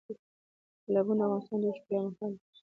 تالابونه د افغانستان د اوږدمهاله پایښت لپاره مهم رول لري.